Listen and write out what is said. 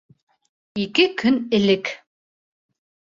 Ике көн элек